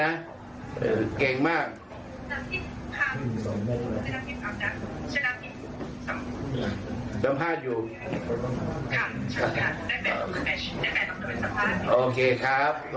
โอเคครับโอเคค่ะ